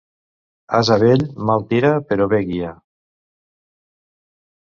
Ase vell, mal tira; però bé guia.